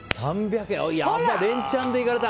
やばい、レンチャンでいかれた。